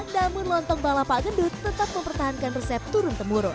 namun lontong balap pak gendut tetap mempertahankan resep turun temurun